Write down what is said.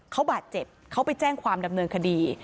เขาบาดเจ็บเขาไปแจ้งความดำเนินคดี